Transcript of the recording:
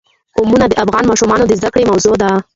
قومونه د افغان ماشومانو د زده کړې موضوع ده.